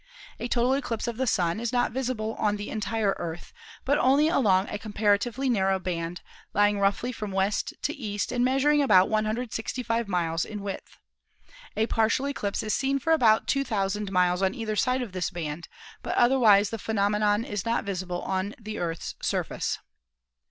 A total eclipse of the Sun is not visible on the entire Earth, but only along a comparatively narrow band, lying roughly from west to east and measuring about 165 miles in width. A partial eclipse is seen for about 2,000 miles on either side of this band, but otherwise the phe nomenon is not visible on the Earth's surface.